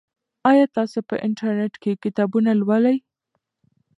آیا تاسو په انټرنیټ کې کتابونه لولئ؟